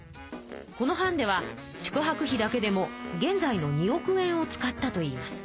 この藩では宿はく費だけでも現在の２億円を使ったといいます。